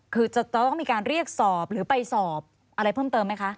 คือจะต้องมีการเรียกสอบหรือไปสอบอะไรเพิ่มเติมไหมคะ